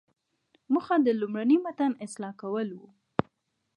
موخه د لومړني متن اصلاح کول وو.